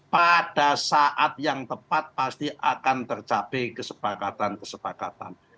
pada saat yang tepat pasti akan tercapai kesepakatan kesepakatan